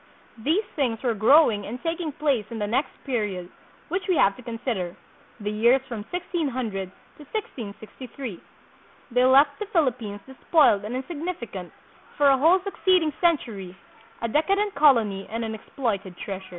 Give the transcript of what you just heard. These things were growing and taking place in the next period which we have to consider, the years from 1600 to 1663. They left the Philippines despoiled and insignifi cant for a whole succeeding century, a decadent colony and an exploited treasure.